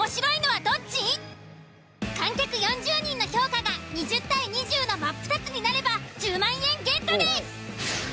観客４０人の評価が２０：２０のマップタツになれば１０万円ゲットです！